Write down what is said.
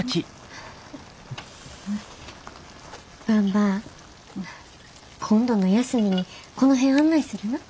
ばんば今度の休みにこの辺案内するな。